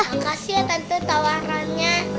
makasih ya tante tawarannya